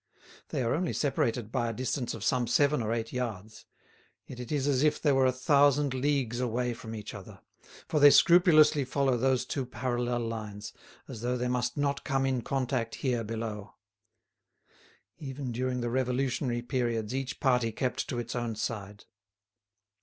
They are only separated by a distance of some seven or eight yards, yet it is as if they were a thousand leagues away from each other, for they scrupulously follow those two parallel lines, as though they must not come in contact here below. Even during the revolutionary periods each party kept to its own side.